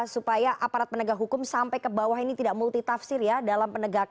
supaya aparat penegak hukum sampai ke bawah ini tidak multitafsir ya